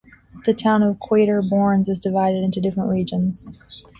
The town of Quatre Bornes is divided into different regions.